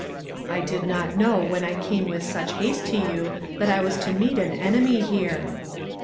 "I did not know, when I came with such haste to you, that I was to meet an enemy here."